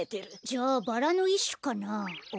じゃバラのいっしゅかな。